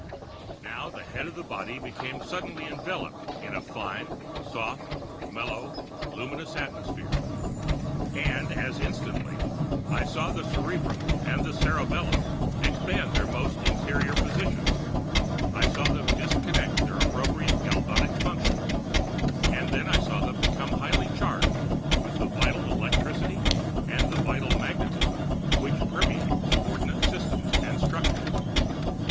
Now the head of the body became suddenly enveloped in a fine, soft, mellow, luminous atmosphere; and, as instantly, I saw the cerebrum and the cerebellum expand their most interior portions; I saw them discontinue their appropriate galvanic functions; and then I saw that they became highly charged with the vital electricity and vital magnetism which permeate subordinate systems and structures.